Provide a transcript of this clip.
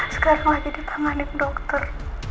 sekarang lagi ditanganin dokter